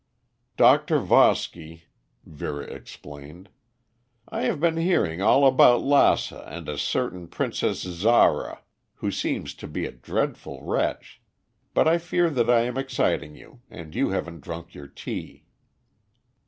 "Dr. Voski," Vera explained. "I have been hearing all about Lassa and a certain Princess Zara, who seems to be a dreadful wretch. But I fear that I am exciting you. And you haven't drunk your tea."